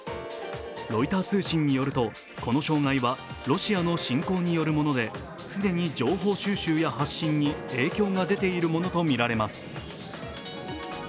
ロイター通信によると、この障害はロシアの侵攻によるもので既に情報収集や発信に影響が出ているものと見られます。